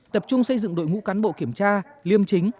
tập trung xây dựng đội ngũ cán bộ kiểm tra liêm chính